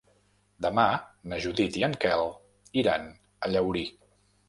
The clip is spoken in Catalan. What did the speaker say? Demà na Judit i en Quel iran a Llaurí.